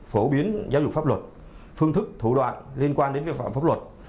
phổ biến giáo dục pháp luật phương thức thủ đoạn liên quan đến vi phạm pháp luật